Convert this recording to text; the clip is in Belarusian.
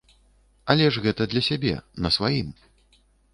Але ж гэта для сябе, на сваім.